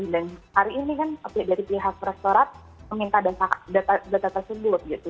dan hari ini kan dari pihak restoran meminta data tersebut gitu